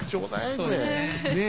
そうですねえ。